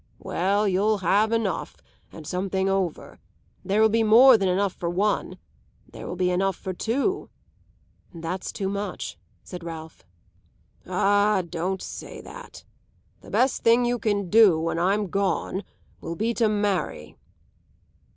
"Well, you'll have enough and something over. There will be more than enough for one there will be enough for two." "That's too much," said Ralph. "Ah, don't say that. The best thing you can do; when I'm gone, will be to marry."